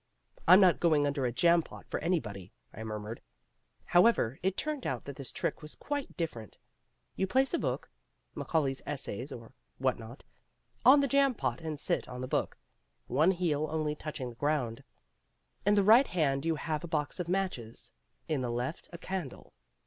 "I'm not going under a jam pot for anybody," I murmured. However, it turned out that this trick was quite different. You place a book (Macaulay's Essays or what not) on the jam pot and sit on the book, one heel only touching the ground. In the right hand you have a box of matches, in the left a candle.